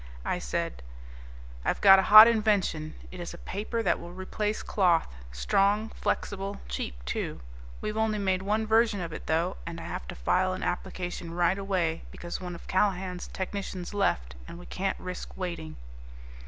I said, "I've got a hot invention. It is a paper that will replace cloth, strong, flexible, cheap too. We've only made one version of it, though, and I have to file an application right away because one of Callahan's technicians left, and we can't risk waiting."